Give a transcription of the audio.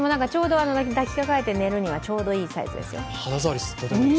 でも、抱きかかえて寝るにはちょうどいいサイズですよ。